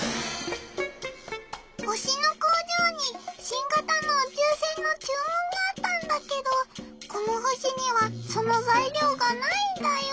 星の工場に新型の宇宙せんの注文があったんだけどこの星にはその材料がないんだよ。